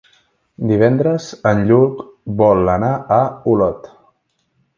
Divendres en Lluc vol anar a Olot.